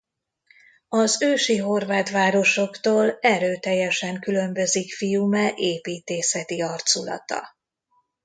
Az ősi horvát városoktól erőteljesen különbözik Fiume építészeti arculata.